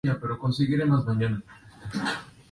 Es el título más importante en la historia del club.